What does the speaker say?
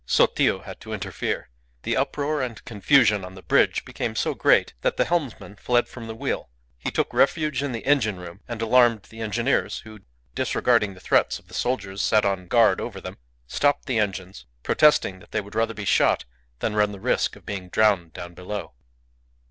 Sotillo had to interfere. The uproar and confusion on the bridge became so great that the helmsman fled from the wheel. He took refuge in the engine room, and alarmed the engineers, who, disregarding the threats of the soldiers set on guard over them, stopped the engines, protesting that they would rather be shot than run the risk of being drowned down below.